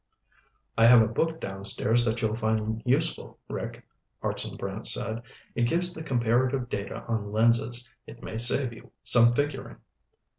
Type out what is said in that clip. "I have a book downstairs that you'll find useful, Rick," Hartson Brant said. "It gives the comparative data on lenses. It may save you some figuring."